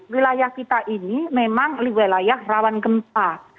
wilayah kita ini memang wilayah rawan gempa